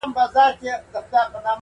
زه تر ده سم زوروري لوبي کړلای-